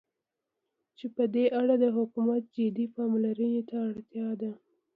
چې په دې اړه د حكومت جدي پاملرنې ته اړتيا ده.